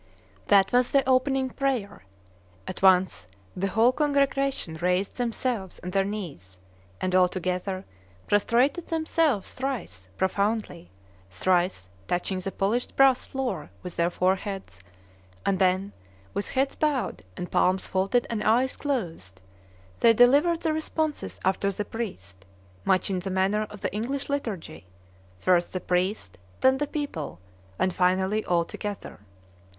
That was the opening prayer. At once the whole congregation raised themselves on their knees and, all together, prostrated themselves thrice profoundly, thrice touching the polished brass floor with their foreheads; and then, with heads bowed and palms folded and eyes closed, they delivered the responses after the priest, much in the manner of the English liturgy, first the priest, then the people, and finally all together.